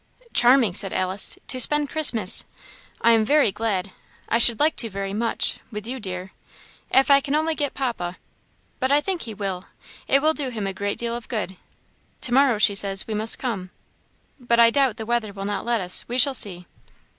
"Charming!" said Alice "to spend Christmas I am very glad; I should like to, very much with you dear. If I can only get Papa but I think he will; it will do him a great deal of good. To morrow, she says, we must come; but I doubt the weather will not let us; we shall see."